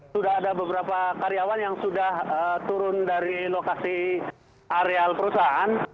sudah ada beberapa karyawan yang sudah turun dari lokasi areal perusahaan